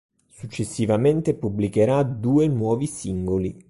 Successivamente pubblicherà due nuovi singoli.